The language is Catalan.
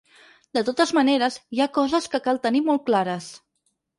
De totes maneres, hi ha coses que cal tenir molt clares.